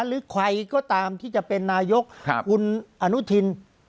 หรือใครก็ตามที่จะเป็นนายกคุณอนุทิน